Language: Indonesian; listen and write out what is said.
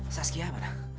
iteki dipengen dong